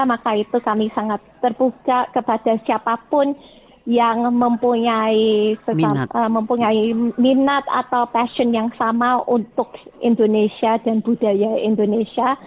maka itu kami sangat terbuka kepada siapapun yang mempunyai minat atau passion yang sama untuk indonesia dan budaya indonesia